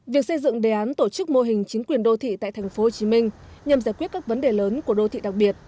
việc xây dựng đề án tổ chức mô hình chính quyền đô thị tại tp hcm nhằm giải quyết các vấn đề lớn của đô thị đặc biệt